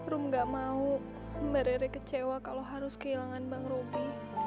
rumi gak mau mba rere kecewa kalau harus kehilangan bang robby